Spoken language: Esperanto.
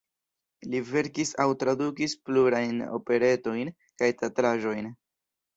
Li verkis aŭ tradukis plurajn operetojn kaj teatraĵojn.